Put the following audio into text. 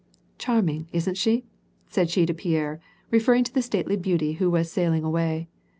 "Charming! isn't she?" said she to Pierre, referring to the stately beauty who was sailing away.